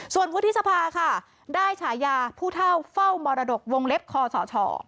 ส่วนวุฒิสภาค่ะได้ฉายาผู้เท่าเฝ้ามรดกวงเล็บคอสช